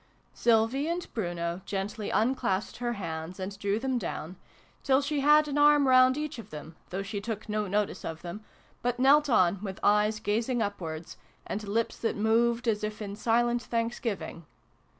Sylvie and Bruno gently unclasped her hands and drew them down till she had an arm round each of them, though she took no notice of them, but knelt on with eyes gazing upwards, and lips that moved as if in silent thanksgiving.